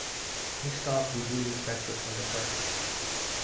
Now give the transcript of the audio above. He stopped and beamed fatuously at her.